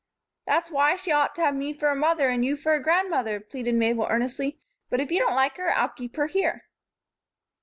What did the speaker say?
"That's why she ought to have me for a mother and you for a grandmother," pleaded Mabel, earnestly. "But if you don't like her, I'll keep her here."